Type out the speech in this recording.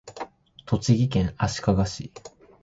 栃木県足利市